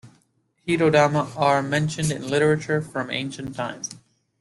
Hitodama are mentioned in literature from ancient times.